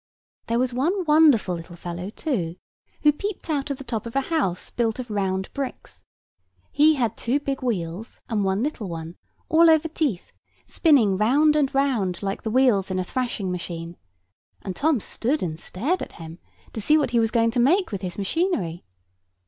There was one wonderful little fellow, too, who peeped out of the top of a house built of round bricks. He had two big wheels, and one little one, all over teeth, spinning round and round like the wheels in a thrashing machine; and Tom stood and stared at him, to see what he was going to make with his machinery.